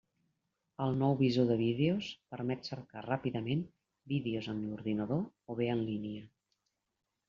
El nou visor de vídeos permet cercar ràpidament vídeos en l'ordinador o bé en línia.